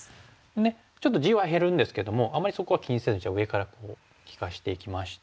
ちょっと地は減るんですけどもあんまりそこは気にせず上から利かしていきまして。